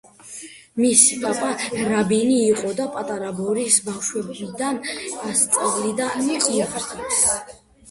მისი პაპა რაბინი იყო და პატარა ბორისს ბავშვობიდან ასწავლიდა ივრითს.